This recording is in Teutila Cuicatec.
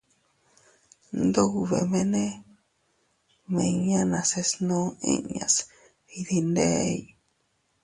Iyndubemene miñan nase snuu inñas iydindey.